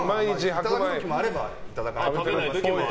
いただく時もあればいただかない時もあります。